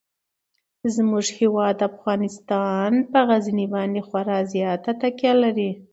زموږ هیواد افغانستان په غزني باندې خورا زیاته تکیه لري.